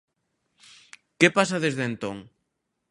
Que pasa desde entón?